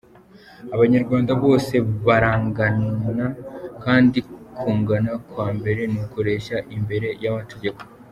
Abanyarwanda bose barangana kandi kungana kwa mbere ni ukureshya imbere y’amategeko.